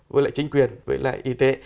với lại chính quyền với lại y tế